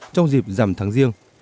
trong dịp giảm tháng riêng